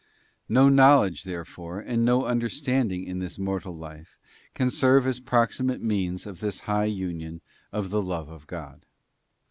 No knowledge, therefore, and no understanding in this _ mortal life can serve as proximate means of this high union _ of the love of God.